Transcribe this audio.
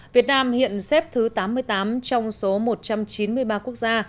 việt nam hiện xếp thứ tám mươi tám trong số một trăm chín mươi ba quốc gia